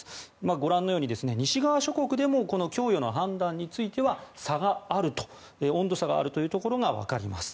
ご覧のように西側諸国でも供与の判断については差があると温度差があるということが分かります。